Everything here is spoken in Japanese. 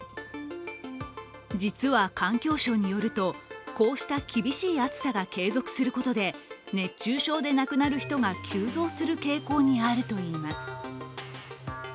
実は環境省によると、こうした厳しい暑さが継続することで熱中症で亡くなる人が急増する傾向にあるといいます。